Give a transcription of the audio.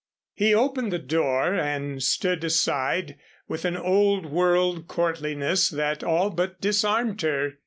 He opened the door and stood aside with an old world courtliness that all but disarmed her.